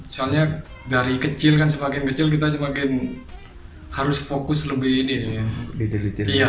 soalnya dari kecil kan semakin kecil kita semakin harus fokus lebih ini ya lebih detail